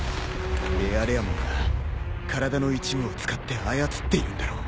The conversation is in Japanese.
レアレアモンが体の一部を使って操っているんだろう。